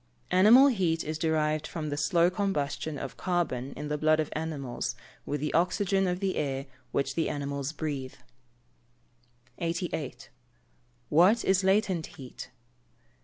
_ Animal heat is derived from the slow combustion of carbon in the blood of animals with the oxygen of the air which the animals breathe. 88. _What is latent heat?